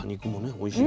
おいしい。